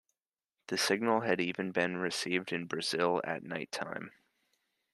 The signal had even been received in Brazil at night-time.